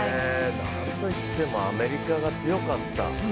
なんといってもアメリカが強かった。